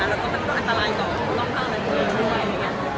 อันนั้นค่ะเป็นการถ่ายภาพแบบนั้นประมาณนั้นประมาณนั้นค่ะ